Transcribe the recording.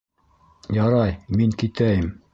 Ярай, мин китәйем!